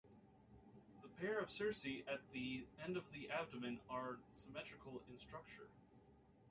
The pair of cerci at the end of the abdomen are symmetrical in structure.